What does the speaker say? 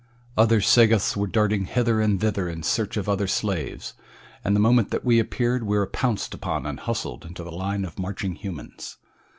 Other Sagoths were darting hither and thither in search of other slaves, and the moment that we appeared we were pounced upon and hustled into the line of marching humans.